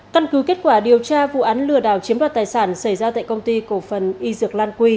căn cứ kết quả điều tra vụ án lừa đảo chiếm đoạt tài sản xảy ra tại công ty cổ phần y dược lan quy